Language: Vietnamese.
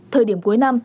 thời điểm cuối năm